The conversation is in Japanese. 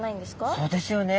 そうですよね。